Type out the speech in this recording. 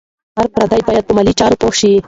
هر فرد باید په مالي چارو پوه شي.